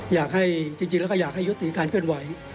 อยากให้จริงแล้วก็อยากให้ยุติการเคลื่อนไหว